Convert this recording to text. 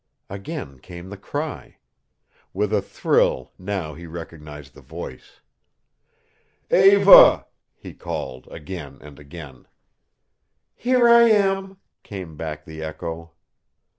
Again came the cry. With a thrill now he recognized the voice. "Eva!" he called, again and again. "Here I am," came back the echo.